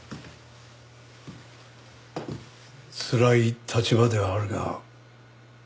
つらい立場ではあるが。